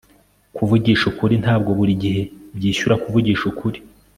kuvugisha ukuri, ntabwo buri gihe byishyura kuvugisha ukuri